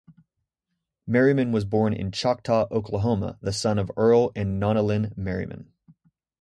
Merriman was born in Choctaw, Oklahoma, the son of Earl and Nonalyn Merriman.